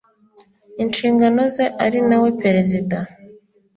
inshingano ze ari na we perezida